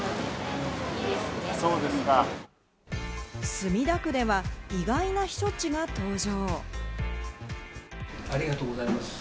墨田区では意外な避暑地が登場。